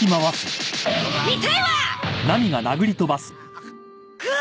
痛いわッ！